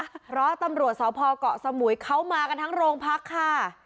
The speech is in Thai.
เพราะตำรวจที่ส่อพอกเกาะสมุยเข้ามากันทั้งโรงพรักษ์ค่ะ